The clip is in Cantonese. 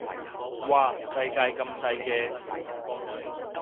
嘩世界咁細嘅